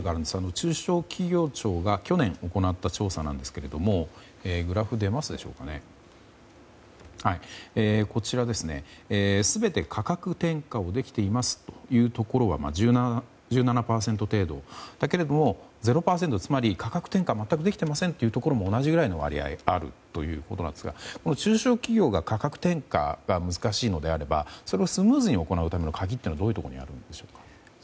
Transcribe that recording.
中小企業庁が去年行った調査なんですがこちら全て価格転嫁ができていますというところが１７％程度だけども、０％つまり、価格転嫁が全くできてませんという割合があるということなんですが中小企業が価格転嫁が難しいのであれば、それをスムーズに行うための鍵というのはどこにあるのでしょうか。